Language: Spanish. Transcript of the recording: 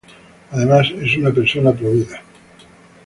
Además es una persona pro-vida.